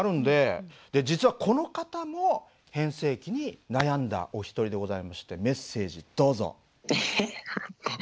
で実はこの方も変声期に悩んだお一人でございましてメッセージどうぞ。え？